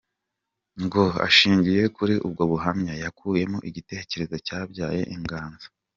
Ngo ashingiye kuri ubwo buhamya yakuyemo igitekerezo cyabyaye inganzo.